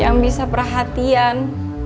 yang bisa perhatian